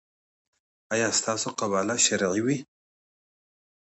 ایا ستاسو قباله به شرعي وي؟